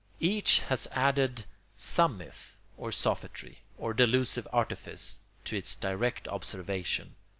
Each has added some myth, or sophistry, or delusive artifice to its direct observation.